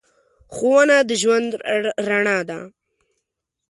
ښوونه د ژوند رڼا ده.